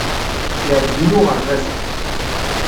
Yeɛjeb-iyi uɣerbaz-a.